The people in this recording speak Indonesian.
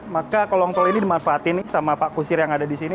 maka kolong tol ini dimanfaatin sama pak kusir yang ada di sini